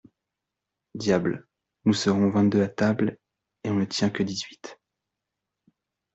Diable ! nous serons vingt-deux à table et on ne tient que dix-huit.